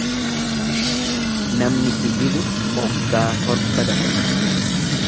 Namni kijibu oggaa torba dafqa.